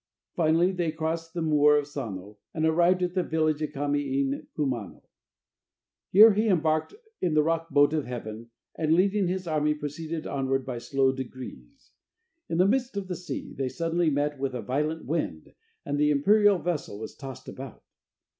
Finally they crossed the moor of Sano, and arrived at the village of Kami in Kumano. Here he embarked in the rock boat of heaven, and leading his army, proceeded onward by slow degrees. In the midst of the sea, they suddenly met with a violent wind, and the imperial vessel was tossed about.